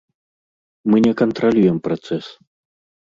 Мы не кантралюем працэс.